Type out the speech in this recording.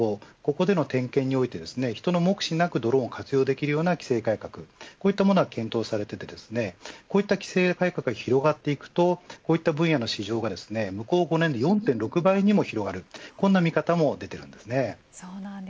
ここでの点検において人の目視なく、ドローンを活用できるような規制改革が検討されていて規制改革が広がっていくとこういった分野の市場が向こう５年で４．６倍にも広がるそうなんですね。